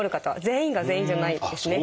全員が全員じゃないですね。